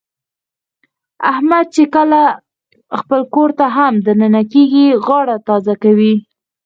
احمد چې کله خپل کورته هم د ننه کېږي، غاړه تازه کوي.